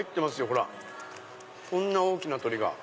ほらこんな大きな鶏が。